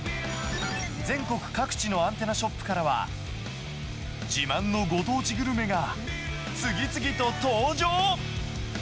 全国各地のアンテナショップからは、自慢のご当地グルメが次々と登場。